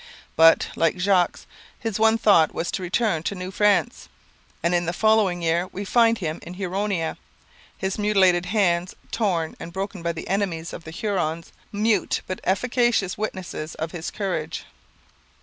But, like Jogues, his one thought was to return to New France; and in the following year we find him in Huronia, his mutilated hands, torn and broken by the enemies of the Hurons, mute but efficacious witnesses of his courage.